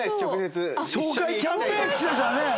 紹介キャンペーン聞きだしたらね。